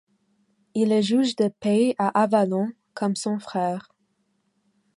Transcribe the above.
Il est juge de paix à Avallon, comme son frère.